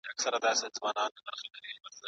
پرمختګ په تدریجي ډول رامنځته کیږي.